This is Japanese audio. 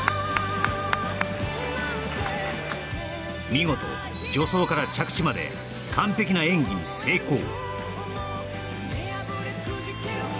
見事助走から着地まで完璧な演技に成功